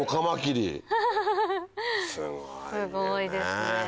すごいですね。